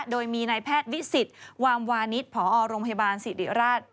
โดยมีนายแพทย์วิสิตวามวานิสพอโรงพยาบาลสิริราช